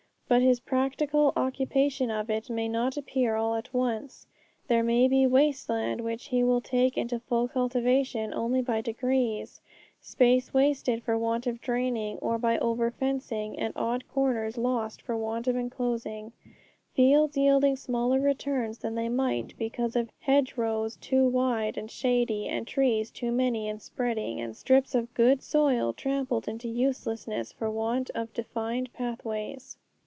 But his practical occupation of it may not appear all at once. There may be waste land which he will take into full cultivation only by degrees, space wasted for want of draining or by over fencing, and odd corners lost for want of enclosing; fields yielding smaller returns than they might because of hedgerows too wide and shady, and trees too many and spreading, and strips of good soil trampled into uselessness for want of defined pathways.